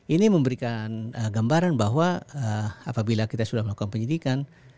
ini memberikan gambaran bahwa apabila kita sudah melakukan penyidikan